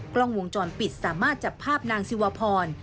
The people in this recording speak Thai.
กล้องวงจรปิดสามารถจับภาพนางสิวพร